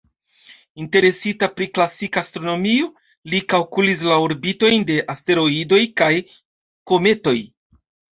Interesita pri klasika astronomio, li kalkulis la orbitojn de asteroidoj kaj kometoj.